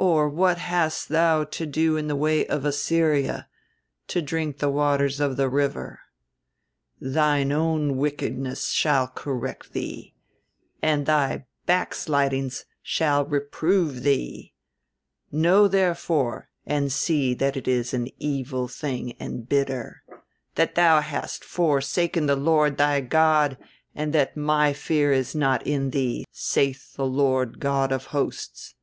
or what hast thou to do in the way of Assyria, to drink the waters of the river? "'Thine own wickedness shall correct thee, and thy backslidings shall reprove thee; know therefore and see that it is an evil thing and bitter, that thou hast forsaken the Lord thy God, and that my fear is not in thee, saith the Lord God of hosts.